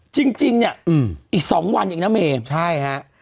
จริงเนี่ยอีกสองวันเองนะเมใช่ครับ